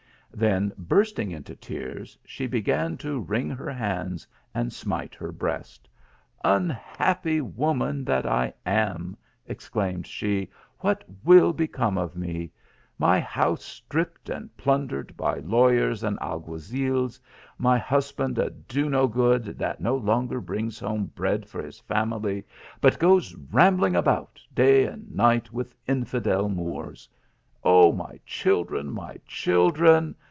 Then bursting into tears she began to wring her hands and smite her breast, " Unhappy woman that I am !" exclaimed she, " what will become of me ! My house stripped and plundered by lawyers and alguazils ; my hus band a do no good that no longer brings home bread for his family, but goes rambling about, day and night, with infidel Moors. Oh, my children ! my children